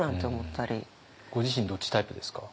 ご自身どっちタイプですか？